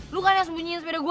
lu kan yang sembunyiin sepeda gue